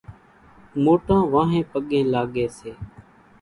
موٽان وانھين پڳين لاڳي سي۔